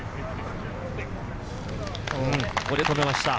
ここで止めました。